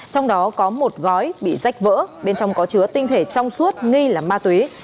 trong đó có một gói bị rách vỡ bên trong có chứa tinh thể trong suốt nghi là ma túy